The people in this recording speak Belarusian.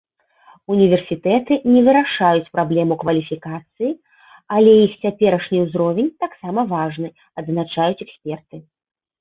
Універсітэты не вырашаюць праблему кваліфікацыі, але іх цяперашні ўзровень таксама важны, адзначаюць эксперты.